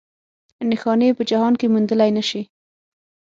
نښانې یې په جهان کې موندلی نه شي.